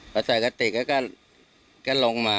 พอใส่กระติกก็ลงมา